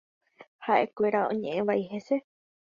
Ha’ekuéra oñe’ẽ vai hese.